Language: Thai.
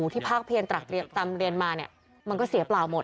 ภาคเพียนตรักตามเรียนมาเนี่ยมันก็เสียเปล่าหมด